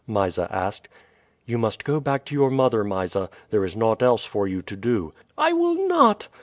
Mysa asked. "You must go back to your mother, Mysa. There is naught else for you to do." "I will not!"